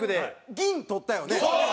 銀とったよね？